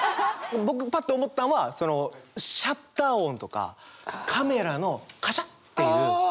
僕パッて思ったんはそのシャッター音とかカメラのカシャっていう。